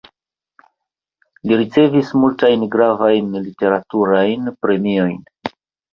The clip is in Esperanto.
Li ricevis multajn gravajn literaturajn premiojn.